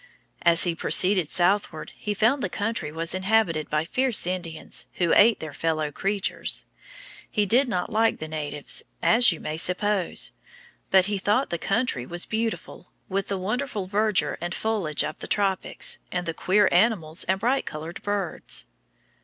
As he proceeded southward, he found the country was inhabited by fierce Indians, who ate their fellow creatures. He did not like the natives, as you may suppose; but he thought the country was beautiful, with the wonderful verdure and foliage of the tropics, and the queer animals and bright colored birds.